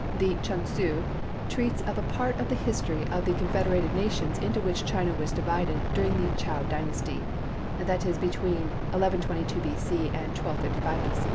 The Chun Tsew treats of a part of the history of the confederated nations into which China was divided during the Chow Dynasty, that is between 1122 B.C. and 255 B.C.